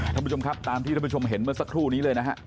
ท่านผู้ชมครับตามที่ท่านผู้ชมเห็นเมื่อสักครู่นี้เลยนะฮะ